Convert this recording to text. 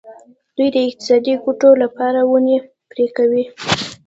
دوی د اقتصادي ګټو لپاره ونې پرې کوي.